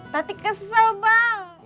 tati kesel bang